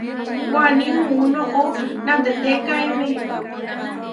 Waní muú noʼó natehtékaeme.